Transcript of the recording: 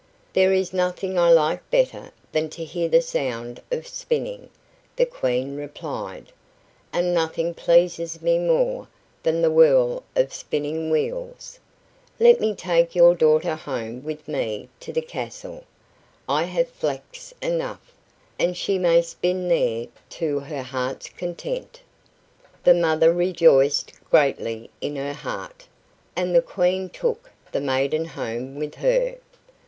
"There is nothing I like better than to hear the sound of spinning," the Queen replied, "and nothing pleases me more than the whirl of spinning wheels. Let me take your daughter home with me to the castle; I have flax enough, and she may spin there to her heart's content." The mother rejoiced greatly in her heart, and the Queen took the maiden home with her.